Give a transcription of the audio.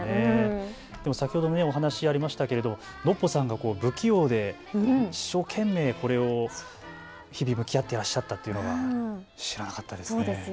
先ほどお話がありましたけどノッポさんの不器用で一生懸命、日々向き合っていらっしゃったというのは知らなかったですね。